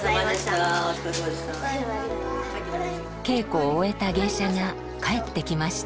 稽古を終えた芸者が帰ってきました。